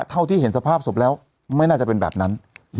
เท่าที่เห็นสภาพศพแล้วไม่น่าจะเป็นแบบนั้น